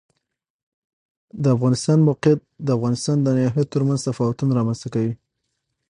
د افغانستان د موقعیت د افغانستان د ناحیو ترمنځ تفاوتونه رامنځ ته کوي.